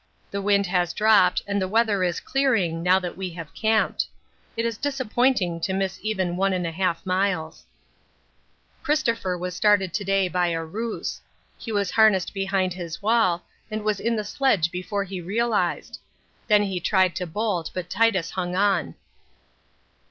The wind has dropped and the weather is clearing now that we have camped. It is disappointing to miss even 1 1/2 miles. Christopher was started to day by a ruse. He was harnessed behind his wall and was in the sledge before he realised. Then he tried to bolt, but Titus hung on.